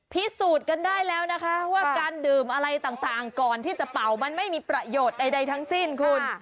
พิสูจน์กันได้แล้วนะคะว่าการดื่มอะไรต่างก่อนที่จะเป่ามันไม่มีประโยชน์ใดทั้งสิ้นคุณ